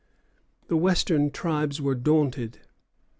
The Western tribes were daunted.